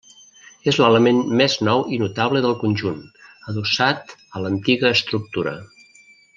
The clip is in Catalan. És l'element més nou i notable del conjunt, adossat a l'antiga estructura.